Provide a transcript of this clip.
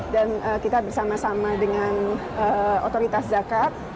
dan kita bersama sama dengan otoritas zakat